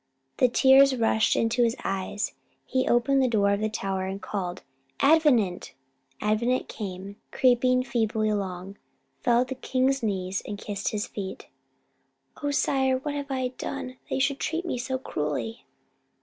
The tears rushed into his eyes; he opened the door of the tower, and called, "Avenant!" Avenant came, creeping feebly along, fell at the king's knees, and kissed his feet: "O sire, what have I done that you should treat me so cruelly?"